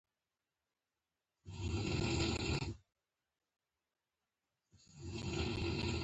په اوبو کې لرګي او تیږې خطرناکې دي